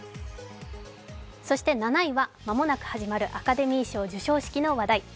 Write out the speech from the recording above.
そして７位は間もなく始まるアカデミー賞授賞式の話題。